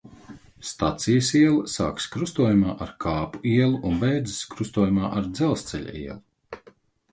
Stacijas iela sākas krustojumā ar Kāpu ielu un beidzas krustojumā ar Dzelzceļa ielu.